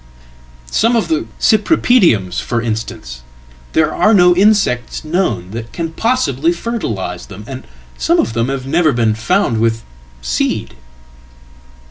Some of theCypripediums, for instance; there are no insects known that can possiblyfertilise them, and some of them have never been found with seed.""